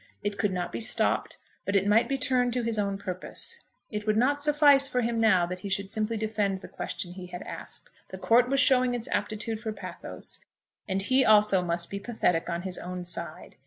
It could not be stopped, but it might be turned to his own purpose. It would not suffice for him now that he should simply defend the question he had asked. The court was showing its aptitude for pathos, and he also must be pathetic on his own side.